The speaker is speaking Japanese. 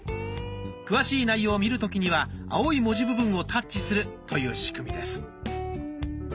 詳しい内容を見る時には青い文字部分をタッチするという仕組みです。